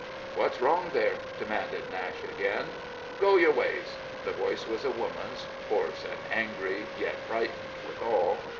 "What's wrong there?" demanded Nashe again. "Go your ways!" The voice was a woman's, hoarse and angry, yet frightened withal.